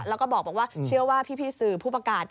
แล้วก็บอกว่าเชื่อว่าพี่สื่อผู้ประกาศ